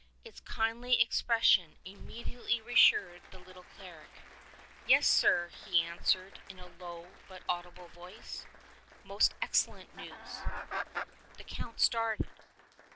Its kindly expression immediately reassured the little cleric. "Yes, sire," he answered in a low, but audible voice; "most excellent news." The Count started.